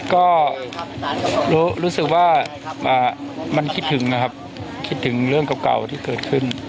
ก็รู้สึกว่ามันคิดถึงนะครับคิดถึงเรื่องเก่าที่เกิดขึ้น